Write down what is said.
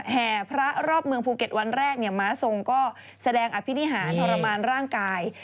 แห่พระรอบเมืองภูเก็ตวันแรกม้าทรงก็แสดงอภินิหารทรมานร่างกาย